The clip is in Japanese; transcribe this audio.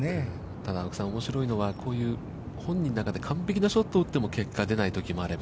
ただ青木さん、おもしろいのは、こういう、本人の中で完璧なショットを打っても結果が出ないときもあれば。